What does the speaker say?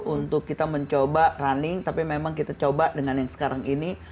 untuk kita mencoba running tapi memang kita coba dengan yang sekarang ini